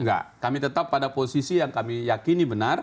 enggak kami tetap pada posisi yang kami yakini benar